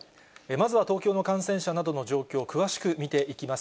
まずは東京の感染者などの状況を詳しく見ていきます。